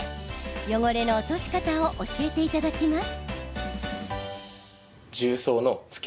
汚れの落とし方を教えていただきます。